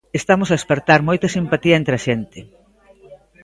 Estamos a espertar moita simpatía entre a xente.